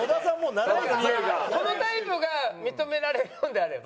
このタイプが認められるんであれば。